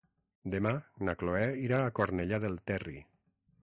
Demà na Chloé irà a Cornellà del Terri.